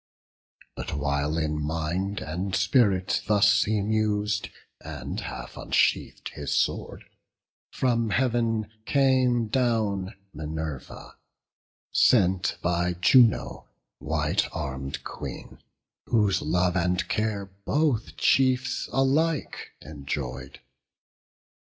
But while in mind and spirit thus he mus'd, And half unsheath'd his sword, from Heav'n came down Minerva, sent by Juno, white arm'd Queen, Whose love and care both chiefs alike enjoy'd.